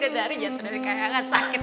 udah dari jatuh dari kayangan sakit